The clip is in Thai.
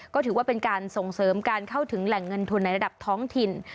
ก็ถือว่าเป็นการส่งเสริมการเข้าถึงแหล่งเงินทุนในระดับท้องถิ่น